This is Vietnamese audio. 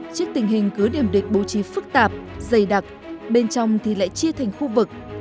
trước tình hình cứ điểm địch bố trí phức tạp dày đặc bên trong thì lại chia thành khu vực